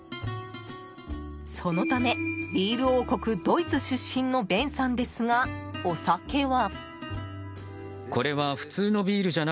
そのためビール王国ドイツ出身のベンさんですが、お酒は。